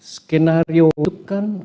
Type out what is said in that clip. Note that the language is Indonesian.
skenario itu kan